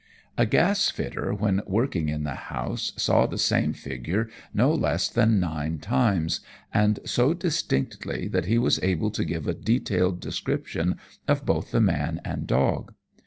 A gasfitter, when working in the house, saw the same figures no less than nine times, and so distinctly that he was able to give a detailed description of both the man and dog.